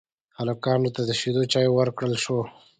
هلکانو ته د شيدو چايو ورکړل شوه.